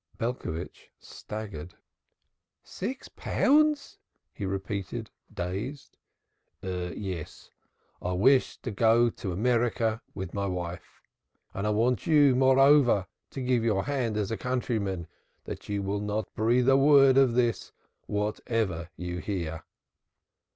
Belcovitch staggered. "Six pounds!" he repeated, dazed. "Yes. I wish to go to America with my wife. And I want you moreover to give your hand as a countryman that you will not breathe a word of this, whatever you hear.